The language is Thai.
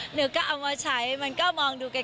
หนูก็เอามาใช้มันก็มองดูกัน